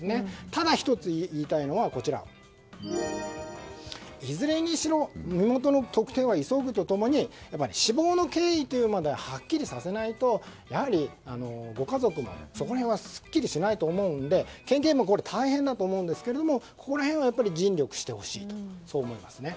ただ１つ言いたいのはいずれにしろ身元の特定は急ぐと共に死亡の経緯というまでははっきりさせないとやはりご家族、そこら辺がすっきりしないと思うので県警も、大変だと思うんですがここら辺は尽力してほしいと思いますね。